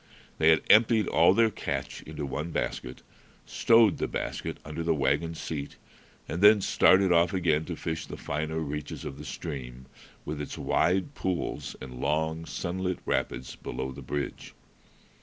They had emptied all their catch into one basket, stowed the basket under the wagon seat, then started off again to fish the finer reaches of the stream, with its wide pools and long, sunlit rapids, below the bridge.